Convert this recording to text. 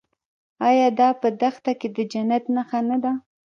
آیا دا په دښته کې د جنت نښه نه ده؟